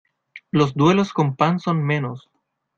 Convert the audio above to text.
Los duelos con pan son menos.